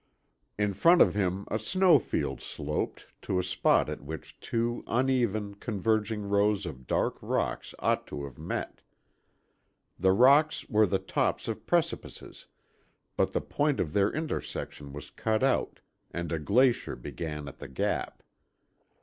In front of him, a snow field sloped to a spot at which two uneven, converging rows of dark rocks ought to have met. The rocks were the tops of precipices, but the point of their intersection was cut out, and a glacier began at the gap.